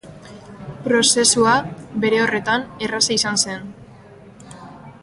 Prozesua, bere horretan, erraza izan zen.